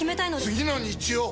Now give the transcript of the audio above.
次の日曜！